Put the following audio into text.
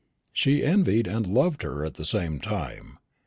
She envied and loved her at the same time.